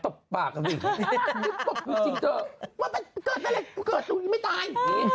ตบปากกับสิตบจริงเผื่อก็เกิดไม่ตาย